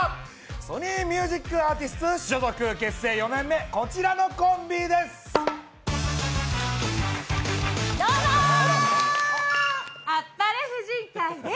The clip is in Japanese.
ソニーミュージックアーティスツ所属、結成４年目、こちらのコンビです。